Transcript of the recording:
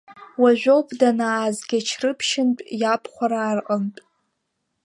Уажәоуп данааз Гьачрыԥшьынтә, иабхәараа рҟнытә.